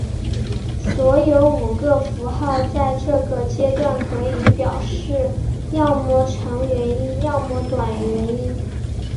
所有五个符号在这个阶段可以表示要么长元音要么短元音。